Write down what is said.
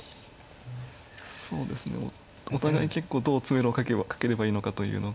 そうですねお互い結構どう詰めろをかければいいのかというのが。